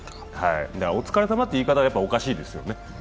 お疲れさまという言い方はおかしいですよね。